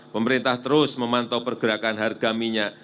pemerintah terus memantau pergerakan harga minyak